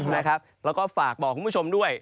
แล้วก็ฝากบอกคุณผู้ชมด้วย